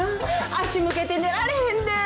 足向けて寝られへんで。